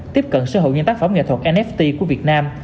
tiếp cận sở hữu những tác phẩm nghệ thuật nft của việt nam